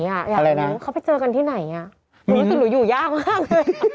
อะไรนะเขาไปเจอกันที่ไหนอ่ะหนูรู้สึกหนูอยู่ยากมากเลย